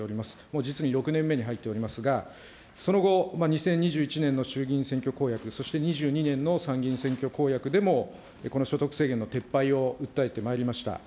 実に６年目に入っておりますが、その後、２０２１年の衆議院選挙公約、そして２２年の参議院選挙公約でも、この所得制限の撤廃を訴えてまいりました。